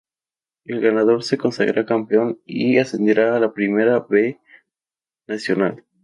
El ganador se consagrará campeón y ascenderá a la Primera B Nacional.